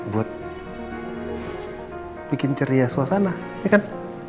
buat bikin ceria suasana ya kan